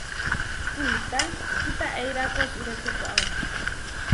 Kuitá kitaʼeíra kočiré tukaó.